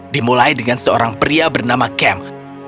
dimulai dengan seorang pria bernama kem